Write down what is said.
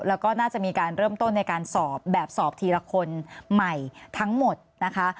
แล้วก็น่าจะมีการเริ่มต้นในการสอบแบบสอบทีละคนใหม่ทั้งหมดนะคะ